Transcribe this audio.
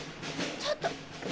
ちょっと！